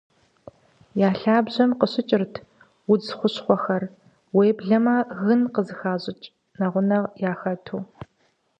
Я лъабжьэм къыщыкӀырт удз хущхъуэхэр, уеблэмэ гын къызыхащӀыкӀ нэгъунэ яхэту.